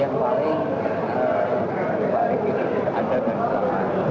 yang paling tidak ada dari seluruh pancasila